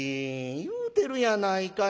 言うてるやないかいな。